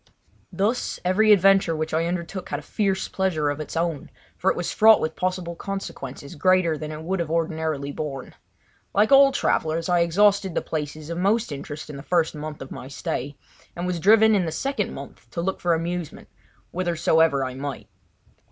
Thus, every adventure which I undertook had a fierce pleasure of its own, for it was fraught with possible consequences greater than it would have ordinarily borne. Like all travellers I exhausted the places of most interest in the first month of my stay, and was driven in the second month to look for amusement whithersoever I might.